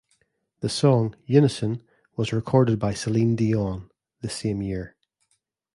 The song "Unison" was recorded by Celine Dion the same year.